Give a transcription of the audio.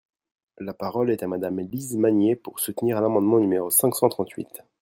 La parole est à Madame Lise Magnier, pour soutenir l’amendement numéro cinq cent trente-huit.